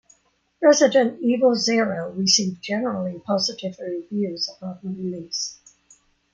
"Resident Evil Zero" received generally positive reviews upon release.